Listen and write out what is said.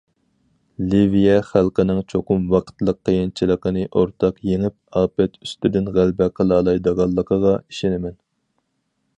لىۋىيە خەلقىنىڭ چوقۇم ۋاقىتلىق قىيىنچىلىقنى ئورتاق يېڭىپ، ئاپەت ئۈستىدىن غەلىبە قىلالايدىغانلىقىغا ئىشىنىمەن.